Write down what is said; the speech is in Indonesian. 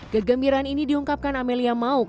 kegembiraan ini diungkapkan amelia mauk